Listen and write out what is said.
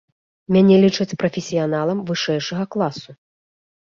Мяне лічаць прафесіяналам вышэйшага класу.